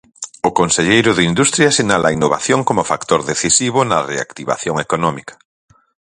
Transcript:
O conselleiro de Industria sinala a innovación como factor decisivo na reactivación económica.